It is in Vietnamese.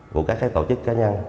của các cái tổ chức cá nhân